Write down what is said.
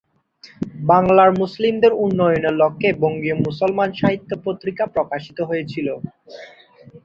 বাংলার মুসলিমদের উন্নয়নের লক্ষ্যে বঙ্গীয় মুসলমান সাহিত্য পত্রিকা প্রকাশিত হয়েছিল।